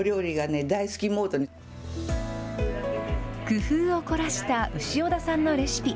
工夫を凝らした潮田さんのレシピ。